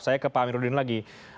saya ke pak amiruddin lagi